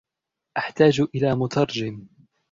أحتاج إلى مترجم.